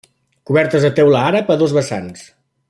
Cobertes de teula àrab a dos vessants.